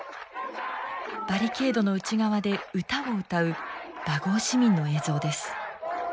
バリケードの内側で歌を歌うバゴー市民の映像です。